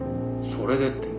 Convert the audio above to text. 「それでって」